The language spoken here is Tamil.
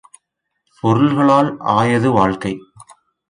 பொருள்களால் ஆயது வாழ்க்கை.